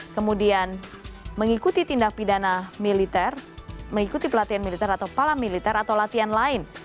kemudian mengikuti tindak pidana militer mengikuti pelatihan militer atau pala militer atau latihan lain